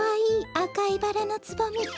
あかいバラのつぼみ。